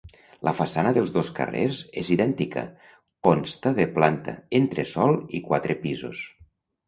La façana dels dos carrers és idèntica: consta de planta, entresòl i quatre pisos.